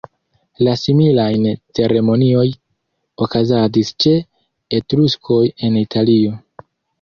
La similajn ceremonioj okazadis ĉe Etruskoj en Italio.